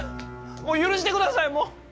もう許してください！